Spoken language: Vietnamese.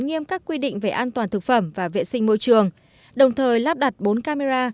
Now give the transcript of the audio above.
nghiêm các quy định về an toàn thực phẩm và vệ sinh môi trường đồng thời lắp đặt bốn camera